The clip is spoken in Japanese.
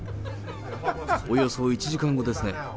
およそ１時間後ですね。